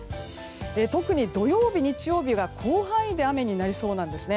特に土曜日、日曜日は広範囲で雨になりそうです。